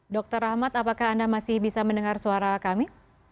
dr rahmat apakah anda masih bisa mendengar suara kami